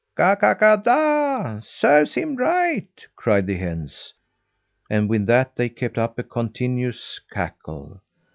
"Ka, ka, kada, serves him right!" cried the hens; and with that they kept up a continuous cackle.